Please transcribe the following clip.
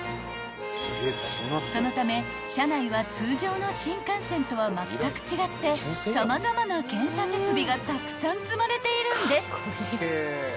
［そのため車内は通常の新幹線とはまったく違って様々な検査設備がたくさん積まれているんです］